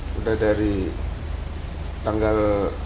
sudah dari tanggal empat